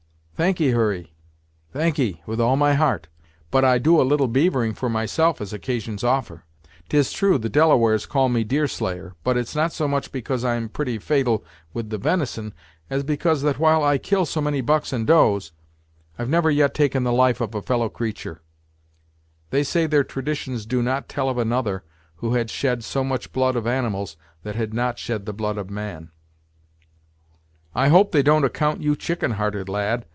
"Thank'ee, Hurry; thank'ee, with all my heart but I do a little beavering for myself as occasions offer. 'Tis true, the Delawares call me Deerslayer, but it's not so much because I'm pretty fatal with the venison as because that while I kill so many bucks and does, I've never yet taken the life of a fellow creatur'. They say their traditions do not tell of another who had shed so much blood of animals that had not shed the blood of man." "I hope they don't account you chicken hearted, lad!